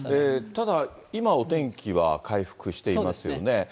ただ、今、お天気は回復していますよね。